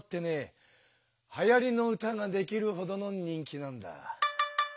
はやりの歌ができるほどの人気なんだ。